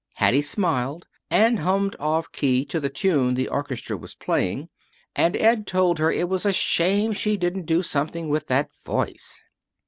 Hattie smiled, and hummed off key to the tune the orchestra was playing, and Ed told her it was a shame she didn't do something with that voice.